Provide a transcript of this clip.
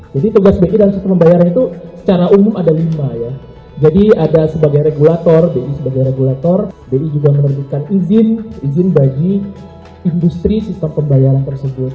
jadi tugas bi dalam sistem pembayaran itu secara umum ada lima ya jadi ada sebagai regulator bi sebagai regulator bi juga menerbitkan izin izin bagi industri sistem pembayaran tersebut